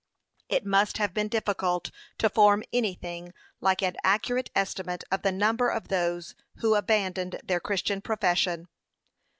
It must have been difficult to form any thing like an accurate estimate of the number of those who abandoned their Christian profession.